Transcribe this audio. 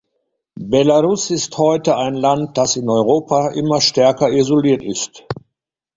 Belarus ist heute ein Land, das in Europa immer stärker isoliert ist.